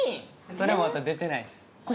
それまだ出てないです